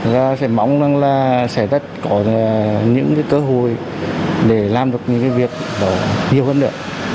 và sẽ mong rằng là sẽ có những cái cơ hội để làm được những cái việc đó nhiều hơn nữa